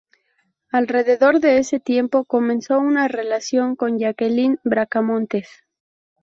Alrededor de ese tiempo, comenzó una relación con Jacqueline Bracamontes.